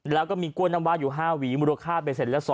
แล้วก็มีกล้วยน้ำวาอยู่๕หวีมูลค่าไปเสร็จละ๒